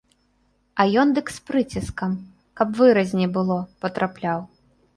А ён дык з прыціскам, каб выразней было, патрапляў.